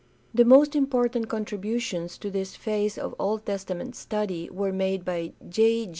The most important contributions to this phase of Old Testament study were made by J.